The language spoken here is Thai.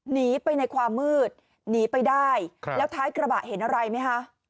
หนีไปในความมืดหนีไปได้แล้วท้ายกระบะเห็นอะไรไหมคะ